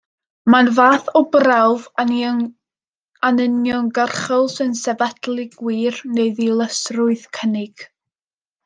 Mae'n fath o brawf anuniongyrchol sy'n sefydlu gwir neu ddilysrwydd cynnig.